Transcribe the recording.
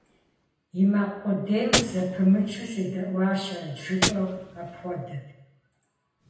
И макъ къудейм зэпымычу седэӀуащэрэт жыпӀэу апхуэдэт.